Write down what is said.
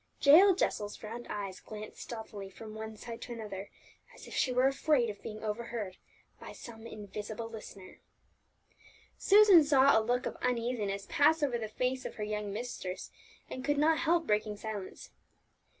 Jael Jessel's round eyes glanced stealthily from one side to another, as if she were afraid of being overheard by some invisible listener. Susan saw a look of uneasiness pass over the face of her young mistress, and could not help breaking silence.